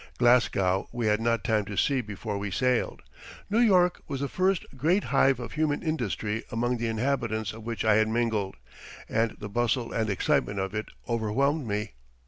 Glasgow we had not time to see before we sailed. New York was the first great hive of human industry among the inhabitants of which I had mingled, and the bustle and excitement of it overwhelmed me.